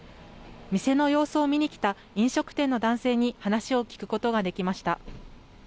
店の様子を見に来た飲食店の男性に話を聞くことができました。